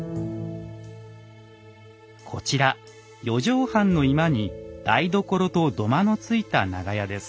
こちら四畳半の居間に台所と土間のついた長屋です。